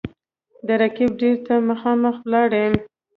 د رقیب دېرې ته مـــخامخ ولاړ یـــم